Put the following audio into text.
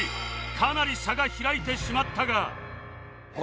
かなり差が開いてしまったが